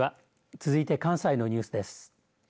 続いて、関西のニュースです。